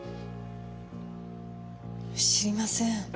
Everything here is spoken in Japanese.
知りません。